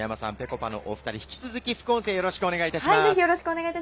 引き続き副音声、よろしくお願いします。